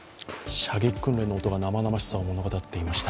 射撃訓練の音が生々しさを物語っていました。